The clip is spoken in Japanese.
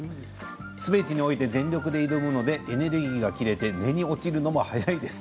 すべてにおいて全力で挑むのでエネルギーが切れて寝に落ちるのも早いです。